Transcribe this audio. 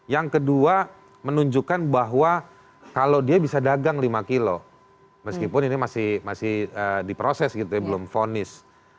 yang kedua menunjukkan bahwa kalau dia bisa dagang lima kilo meskipun ini masih diproses gitu ya belum fonis